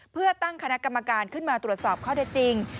เพื่อตั้งคณะกรรมการขึ้นมาตรวจสอบข้อเท็จจริง